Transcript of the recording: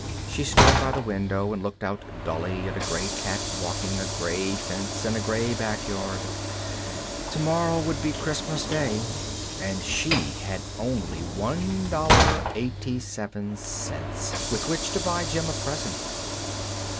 She stood by the window and looked out dully at a gray cat walking a gray fence in a gray backyard. Tomorrow would be Christmas Day, and she had only $1.87 with which to buy Jim a present.